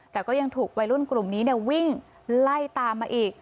แต่ก็ยังถูกวัยรุ่นกลุ่มนี้วิ่งไล่ตามมาอีก